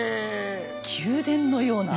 宮殿のような。